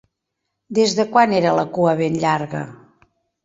Des de quan era la cua ben llarga?